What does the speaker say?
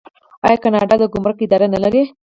آیا کاناډا د ګمرک اداره نلري؟